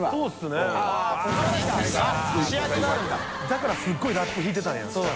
だからすごいラップ敷いてたんや下。